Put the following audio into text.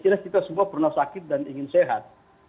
karena saya juga pernah sakit dan ingin sehat